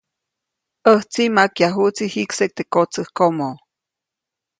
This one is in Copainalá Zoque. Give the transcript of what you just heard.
‒ʼÄjtsi majkyajuʼtsi jikseʼk teʼ kotsäjkomo-.